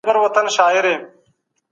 مهاجرت کلتوري تبادله زیاتوي.